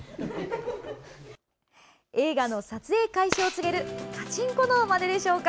映画の撮影開始を告げるカチンコのまねでしょうか。